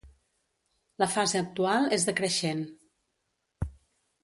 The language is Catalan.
La fase actual és decreixent.